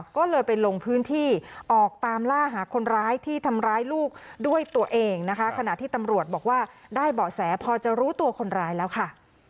ก็เลยไปลงพื้นที่ออกตามล่าหาคนร้ายที่ทำร้ายลูกด้วยตัวเองนะคะขณะที่ตำรวจบอกว่าได้เบาะแสพอจะรู้ตัวคนร้ายแล้วค่ะ